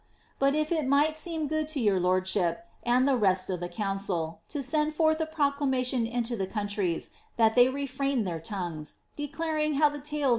But if it raighf seem good to your lordship, and the rest of the council, to send ibrth a proela motion into the countries that they refrain their tongues, declaring how the tales